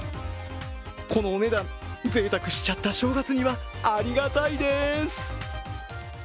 このお値段、ぜいたくしちゃった正月にはありがたいです。